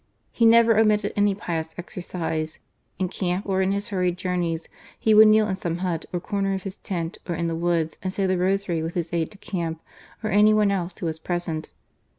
He never omitted any pious exercise ; in camp, or in his hurried journeys, he would kneel in some hut, or corner of his tent, or in the woods, and say the Rosary with his aide de camp or any one else who was present.